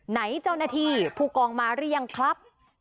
เจ้าหน้าที่ผู้กองมาหรือยังครับ